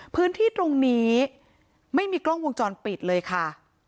พื้นที่ตรงนี้ไม่มีกล้องวงจรปิดเลยค่ะ